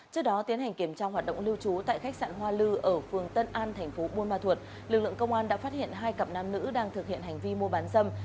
trước đó tiến hành kiểm tra hoạt động lưu trú tại khách sạn hoa lư ở phường tân an thành phố buôn ma thuột lực lượng công an đã phát hiện hai cặp nam nữ đang thực hiện hành vi mua bán dâm